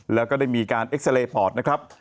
แล้วก็ได้มีการเอ็กซาเรย์ปอดนะครับ